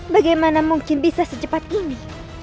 bagaimana mungkin bisa secepat ini